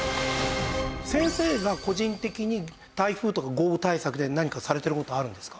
先生が個人的に台風とか豪雨対策で何かされてる事あるんですか？